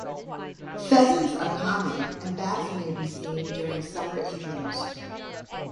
Pheasants are common and bats may be seen during summer evenings.